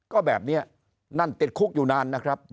ก็แบบนี้นั่นติดคุกอยู่นานนะครับ